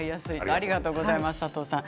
ありがとうございます、佐藤さん。